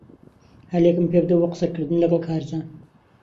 ھەلێکم پێبدە بۆ قسەکردن لەگەڵ کارزان.